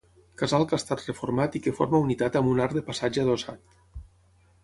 Casal que ha estat reformat i que forma unitat amb un arc de passatge adossat.